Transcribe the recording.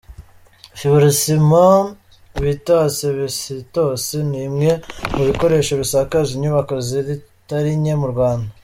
Fiburosima bita asibesitosi ni imwe mu bikoresho bisakaje inyubako zitari nke mu Rwanda.